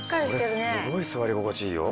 これすごい座り心地いいよ。